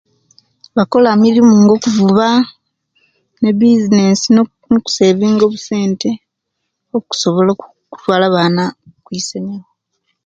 Bakola mirimu nga okuvuba ne bizinesi ne kusevinga obusente okusibala okutwala abaana kwisomero